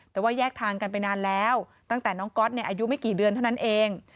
แต่ว่าแยกทางกันไปนานแล้วตั้งแต่น้องก๊อตอายุไม่กี่เดือนเท่านั้นเอง